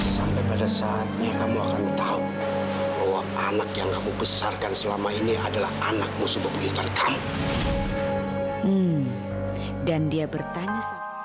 sampai jumpa di video selanjutnya